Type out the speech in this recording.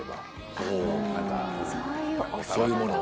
そういうモノを？